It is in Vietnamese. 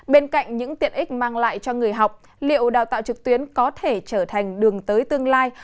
bên cạnh những tiện ích mang lại cho người học liệu đào tạo trực tuyến có thể trở thành đường tới tương lai